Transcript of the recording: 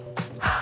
あ。